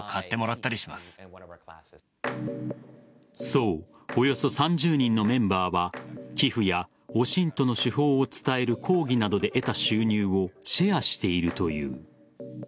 そうおよそ３０人のメンバーは寄付やＯＳＩＮＴの手法を伝える講義などで得た収入をシェアしているという。